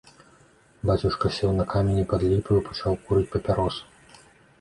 Бацюшка сеў на камені пад ліпаю і пачаў курыць папяросу.